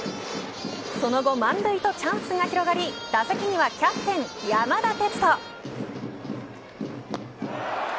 その後、満塁とチャンスが広がり打席にはキャプテン、山田哲人。